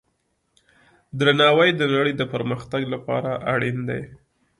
درناوی د نړۍ د پرمختګ لپاره اړین دی.